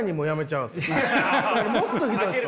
もっとひどいっすわ。